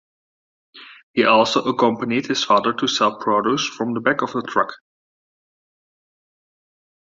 He also accompanied his father to sell produce from the back of a truck.